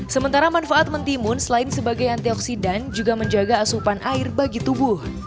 sementara manfaat mentimun selain sebagai antioksidan juga menjaga asupan air bagi tubuh